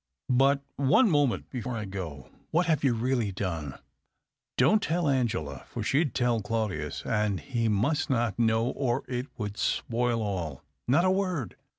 " But — one moment — before I go, "What have you really done "?"" Don't tell Angela, for she'd tell Claudius, and he must not know, or it would spoil all." "Not a word."